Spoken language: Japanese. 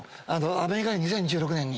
アメリカで２０１６年に。